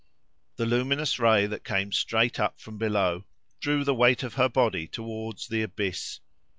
The luminous ray that came straight up from below drew the weight of her body towards the abyss.